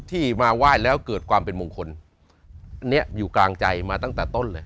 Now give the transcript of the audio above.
ที่มาไหว้แล้วเกิดความเป็นมงคลอันเนี้ยอยู่กลางใจมาตั้งแต่ต้นเลย